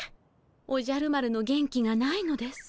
おじゃる丸の元気がないのです。